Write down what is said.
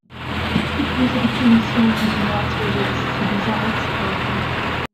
Ich begrüße die Kommission und den Ratsvorsitz zu dieser Aussprache.